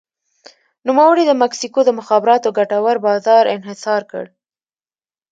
نوموړي د مکسیکو د مخابراتو ګټور بازار انحصار کړ.